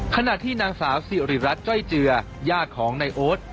ขณะที่นางสาวสิริรัตนจ้อยเจือย่าของนายโอ๊ต